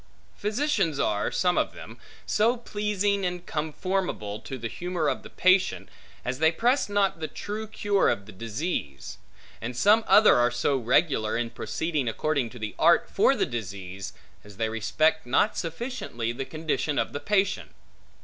Physicians are, some of them, so pleasing and conformable to the humor of the patient, as they press not the true cure of the disease; and some other are so regular, in proceeding according to art for the disease, as they respect not sufficiently the condition of the patient.